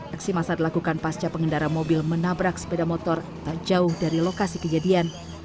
aksi masa dilakukan pasca pengendara mobil menabrak sepeda motor tak jauh dari lokasi kejadian